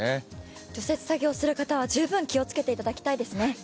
除雪作業する方は十分気をつけていただきたいですね。